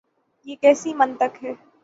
یہ کیسی منطق ہے؟